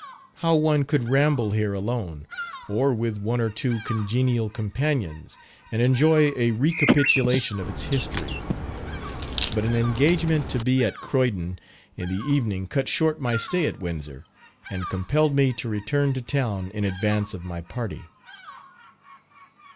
How one could ramble here alone, or with one or two congenial companions, and enjoy a recapitulation of its history! But an engagement to be at Croydon in the evening cut short my stay at Windsor, and compelled me to return to town in advance of my party.